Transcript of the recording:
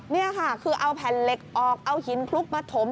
นี่ค่ะคือเอาแผ่นเหล็กออกเอาหินคลุกมาถม